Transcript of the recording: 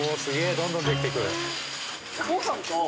どんどんできていく。